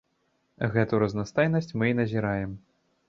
Гэту разнастайнасць мы і назіраем.